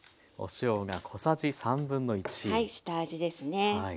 下味ですね。